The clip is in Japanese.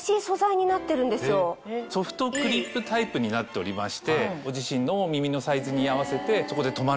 ソフトクリップタイプになっておりましてご自身のお耳のサイズに合わせてそこで留まるという。